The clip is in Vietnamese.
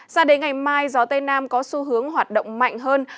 sao đến ngày mai gió tây nam có xu hướng hoạt động mạnh hơn